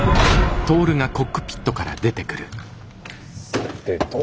さてと。